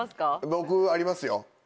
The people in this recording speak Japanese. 僕ありますよ。